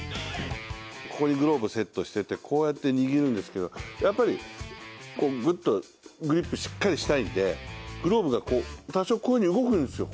ここにグローブセットしててこうやって、握るんですけどやっぱりグッとグリップしっかりしたいんでグローブが多少動くんですよ